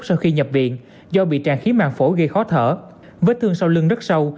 sau khi nhập viện do bị tràn khí mạng phổ gây khó thở vết thương sau lưng rất sâu